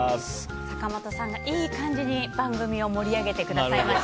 坂本さんがいい感じに番組を盛り上げてくれました。